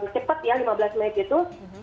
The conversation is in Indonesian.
cepet ya lima belas menit gitu